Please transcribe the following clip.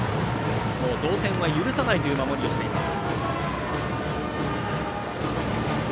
同点は許さないという守りをしています。